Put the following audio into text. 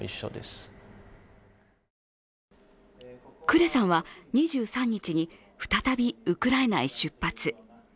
クレさんは２３日に再びウクライナへ出発。